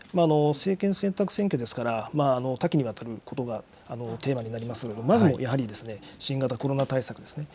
政権選択選挙ですから、多岐にわたることがテーマになりますので、まずもうやはり、新型コロナ対策ですね。